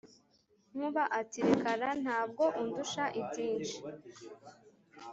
Nkuba ati: "Reka ra! Ntabwo undusha ibyinshi,"